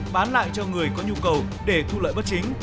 bán lại cho người có nhu cầu để thu lợi bất chính